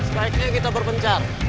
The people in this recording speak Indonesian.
sebaiknya kita berpencar